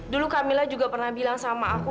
dulu camilla juga pernah bilang sama aku